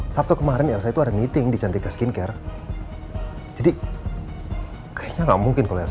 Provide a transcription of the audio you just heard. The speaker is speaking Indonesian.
sabtu kemarin elsa itu ada meeting di cantika skincare jadi kayaknya nggak mungkin kalau elsa